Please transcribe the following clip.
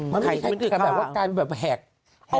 มันไม่มีใครนึกแหกแหก